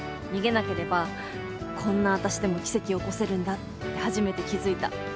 逃げなければこんな私でも奇跡起こせるんだって初めて気付いた。